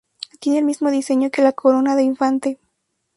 Tiene el mismo diseño que la corona de infante.